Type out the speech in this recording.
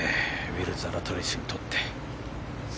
ウィル・ザラトリスにとって。